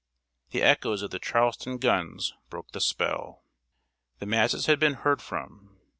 The echoes of the Charleston guns broke the spell! The masses had been heard from!